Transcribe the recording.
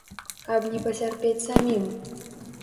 Каб не пацярпець самім.